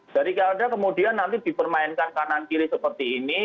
jadi kalau ada kemudian nanti dipermainkan kanan kiri seperti ini